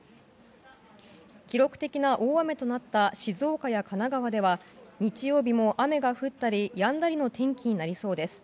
記録的な大雨となった静岡や神奈川では日曜日も雨が降ったりやんだりの天気になりそうです。